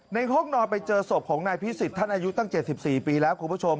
ห้องนอนไปเจอศพของนายพิสิทธิ์ท่านอายุตั้ง๗๔ปีแล้วคุณผู้ชม